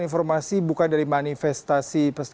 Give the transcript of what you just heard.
informasi bukan dari manifestasi